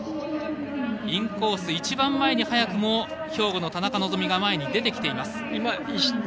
インコース一番前に早くも兵庫の田中希実が前に出てきています。